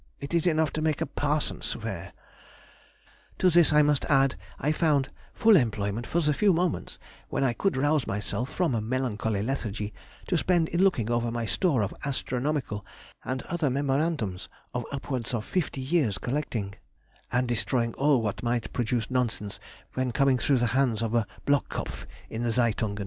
It is enough to make a parson swear! To this I must add I found full employment for the few moments, when I could rouse myself from a melancholy lethargy, to spend in looking over my store of astronomical and other memorandums of upwards of fifty years collecting, and destroying all what might produce nonsense when coming through the hands of a Block kopff in the Zeitungen.